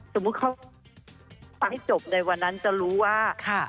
สมมุติเขาฟังให้จบในวันนั้นจะรู้ว่า